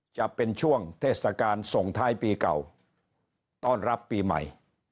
จะเป็นช่วงเทศกาลส่งท้ายปีเก่าต้อนรับปีใหม่